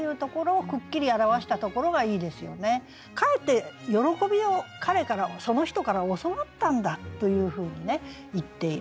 かえって喜びを彼からその人から教わったんだというふうに言っている。